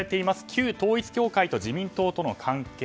旧統一教会と自民党との関係。